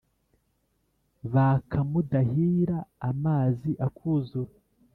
baka mudáhira amazi akuzura